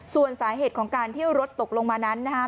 ส่วนสาเหตุของการที่รถตกลงมานั้นนะฮะ